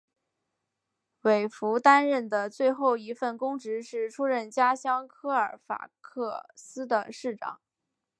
韦弗担任的最后一份公职是出任家乡科尔法克斯的市长。